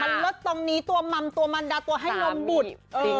มันลดตรงนี้ตัวมัมตัวมันดาตัวให้นมบุตร